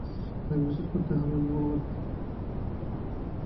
আপনাকে বিশ্বাস করতেই হবে এমন কোনো কথা আছে?